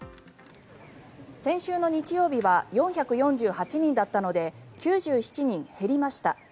先週の日曜日は４４８人だったので９７人減りました。